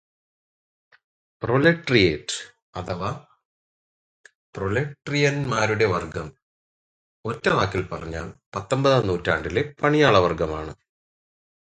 Proletariat, അഥവാ പ്രോലെറ്റേറിയന്മാരുടെ വർഗം, ഒറ്റ വാക്കിൽ പറഞ്ഞാൽ, പത്തൊമ്പതാം നൂറ്റാണ്ടിലെ പണിയാള വർഗമാണ്.